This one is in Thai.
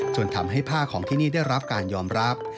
จนทำให้ผ้าของที่นี่ได้รับการยอมรับ